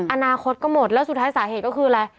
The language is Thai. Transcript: อนาคตก็หมดแล้วสุดท้ายสาเหตุก็คืออะไร